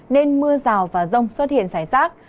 nên mưa rào và rông xuất hiện rải rác